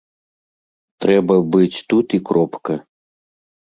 Трэба быць тут і кропка.